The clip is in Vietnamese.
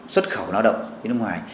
xuất khẩu lao động đến nước ngoài